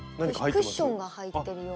クッションが入ってるような。